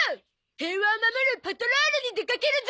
平和を守るパトロールに出かけるゾ！